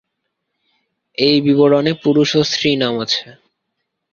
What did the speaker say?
এই বিবরণে পুরুষ ও স্ত্রী নাম আছে।